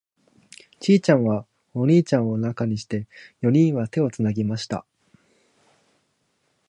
ちいちゃんとお兄ちゃんを中にして、四人は手をつなぎました。